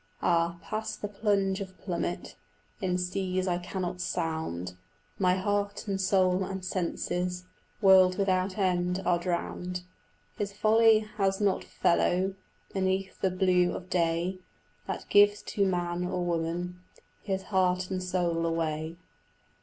Ah, past the plunge of plummet, In seas I cannot sound, My heart and soul and senses, World without end, are drowned. His folly has not fellow Beneath the blue of day That gives to man or woman His heart and soul away.